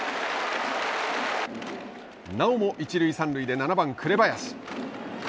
なおも一塁三塁で７番紅林。